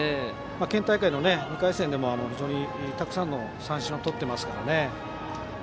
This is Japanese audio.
県大会の２回戦でも非常にたくさん三振をとっていますね。